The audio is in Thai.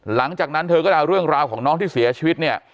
หลังจากนั้นเธอก็ได้เอาเรื่องราวของน้องที่เสียชีวิตเนี่ย